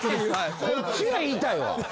こっちが言いたいわ！